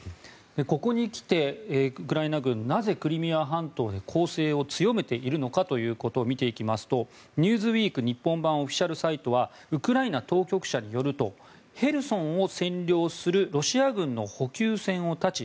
ここに来て、ウクライナ軍なぜクリミア半島で攻勢を強めているのかということを見ていきますと「ニューズウィーク」日本版オフィシャルサイトはウクライナ当局者によるとヘルソンを占領するロシア軍の補給線を断ち